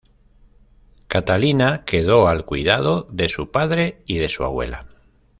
Catalina quedó al cuidado de su padre y de su abuela.